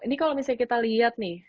ini kalau misalnya kita lihat nih